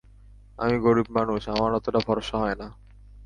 আমি গরিব মানুষ, আমার অতটা ভরসা হয় না।